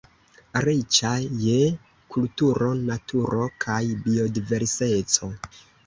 Riĉa je kulturo, naturo kaj biodiverseco.